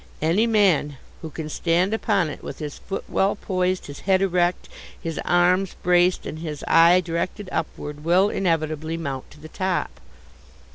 Any man who can stand upon it with his foot well poised, his head erect, his arms braced and his eye directed upward, will inevitably mount to the top.